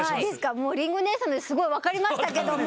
もうリンゴ姉さんのですごい分かりましたけども。